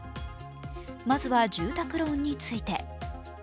まずは住宅ローンについて。